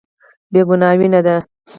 بې ګناه وينه ده.